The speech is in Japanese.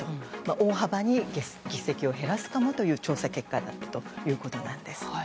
大幅に議席を減らすかもという調査結果になったということなんです。